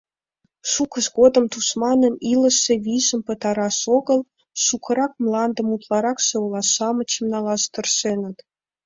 Шукыж годым тушманын илыше вийжым пытараш огыл, шукырак мландым, утларакше ола-шамычым налаш тыршеныт.